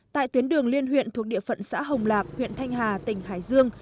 tại tuyến đường liên huyện thuộc địa phận xã hồng lạc huyện thanh hà tỉnh hải dương